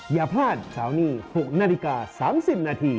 อย่าพลาดเสาร์นี้๖นาฬิกา๓๐นาที